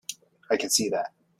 I can see that.